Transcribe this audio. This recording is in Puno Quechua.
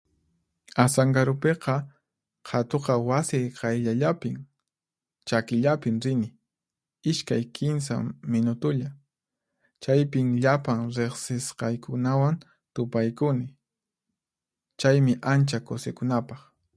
Asankarupiqa qhatuqa wasiy qayllallapin. Chakillapin rini, ishkay kinsa minutulla. Chaypin llapan riqsisqaykunawan tupaykuni, chaymi ancha kusikunapaq.